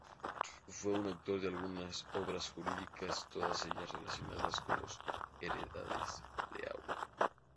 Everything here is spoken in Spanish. Fue autor de algunas obras jurídicas, todas ellas relacionadas con los heredades de aguas.